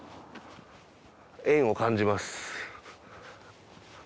縁を感じます。